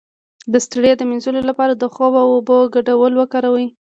د ستړیا د مینځلو لپاره د خوب او اوبو ګډول وکاروئ